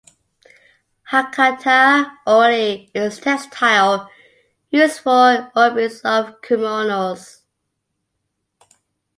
Hakata ori is a textile used for obis of kimonos.